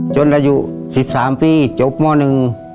จนละอยู่๑๓ปีจบหม้อนึง